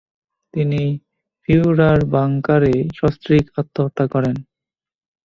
তিনি ফিউরারবাংকারে সস্ত্রীক আত্মহত্যা করেন।